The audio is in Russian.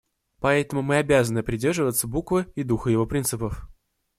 Поэтому мы обязаны придерживаться буквы и духа его принципов.